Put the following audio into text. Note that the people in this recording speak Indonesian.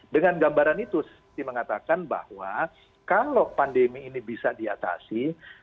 dengan gambaran itu mengatakan bahwa kalau pandemi ini bisa diatasi